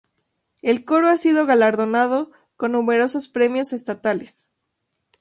El coro ha sido galardonado con numerosos premios estatales.